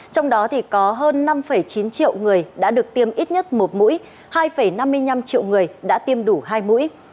trong đó có hơn năm chín triệu người đã được tiêm ít nhất một mũi hai năm mươi năm triệu người đã tiêm đủ hai mũi